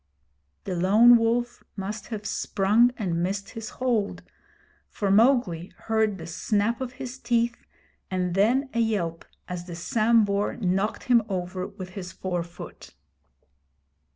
The Lone Wolf must have sprung and missed his hold, for Mowgli heard the snap of his teeth and then a yelp as the Sambhur knocked him over with his fore foot.